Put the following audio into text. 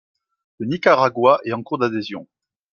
Le Nicaragua est en cours d'adhésion.